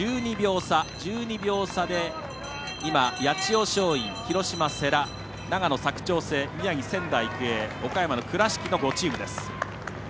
１２秒差で今、八千代松陰広島、世羅長野、佐久長聖宮城、仙台育英岡山の倉敷の５チームです。